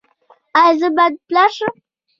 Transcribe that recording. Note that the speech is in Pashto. ایا زه باید پلار شم؟